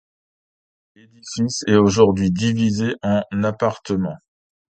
L'édifice est aujourd'hui divisé en appartements.